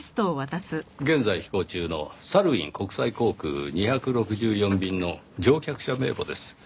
現在飛行中のサルウィン国際航空２６４便の乗客者名簿です。